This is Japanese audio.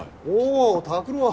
お拓郎。